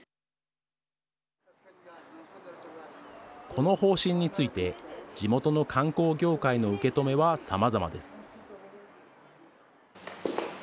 この方針について地元の観光業界の受け止めはさまざまです。